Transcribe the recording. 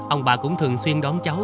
ông bà cũng thường xuyên đón cháu